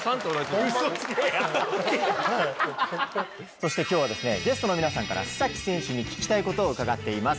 そして今日はゲストの皆さんから須選手に聞きたいことを伺っています。